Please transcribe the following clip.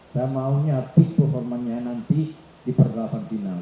saya maunya peak performanya nanti di pertempuran final